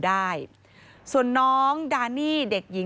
พบหน้าลูกแบบเป็นร่างไร้วิญญาณ